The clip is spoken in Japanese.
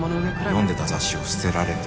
読んでた雑誌を捨てられて